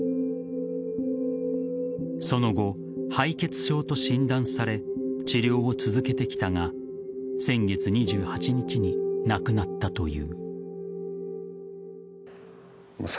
その後、敗血症と診断され治療を続けてきたが先月２８日に亡くなったという。